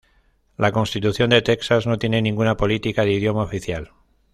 La constitución de Texas no tiene ninguna política de idioma oficial.